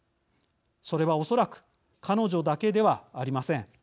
それは、おそらく彼女だけではありません。